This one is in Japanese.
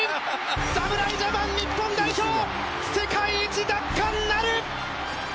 侍ジャパン日本代表、世界一奪還なる！